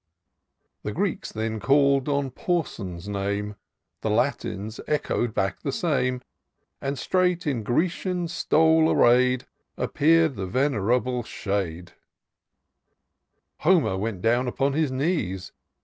' The Greeks then call'd on Porson's name ; The Latins echoed back the same ; And straight in Grecian stole axray'd. Appeared the venerable shade ; Homer went down upon his knees.